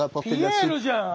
ピエールじゃん！